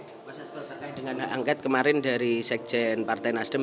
pak sasto terkait dengan hak angket kemarin dari sekjen partai nasdem